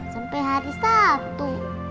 sampai hari sabtu